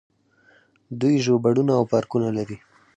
دوی ژوبڼونه او پارکونه لري.